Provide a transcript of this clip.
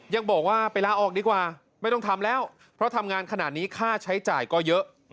ยังบอกว่าไปลาออกดีกว่าไม่ต้องทำแล้วเพราะทำงานขนาดนี้ค่าใช้จ่ายก็เยอะ